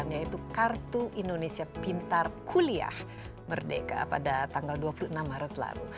yaitu kartu indonesia pintar kuliah merdeka pada tanggal dua puluh enam maret lalu